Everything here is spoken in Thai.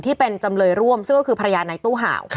ที่เป็นจำเลยร่วมซึ่งก็คือพยานในตู้เห่า